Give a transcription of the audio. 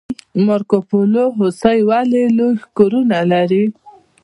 مارکوپولو هوسۍ ولې لوی ښکرونه لري؟